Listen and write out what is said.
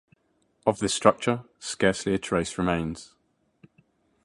Of this structure, scarcely a trace remains.